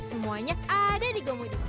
semuanya ada di gomudik